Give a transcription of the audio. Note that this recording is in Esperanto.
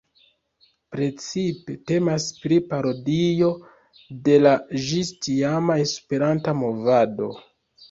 Precipe temas pri parodio de la ĝis-tiama Esperanta movado.